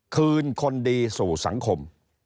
คืนคนดีสู่สังคม